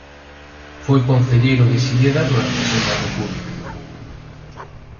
Foi concelleiro de Silleda durante a Segunda República.